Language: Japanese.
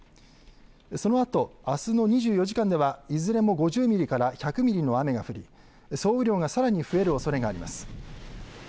そのあと、あすの２４時間ではいずれも５０ミリから１００ミリの雨が降り総雨量がさらに増えるおそれがあります。